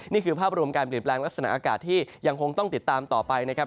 นี่คือภาพรวมการเปลี่ยนแปลงลักษณะอากาศที่ยังคงต้องติดตามต่อไปนะครับ